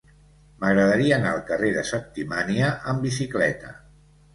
M'agradaria anar al carrer de Septimània amb bicicleta.